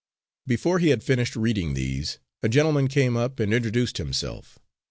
Before he had finished reading these, a gentleman came up and introduced himself.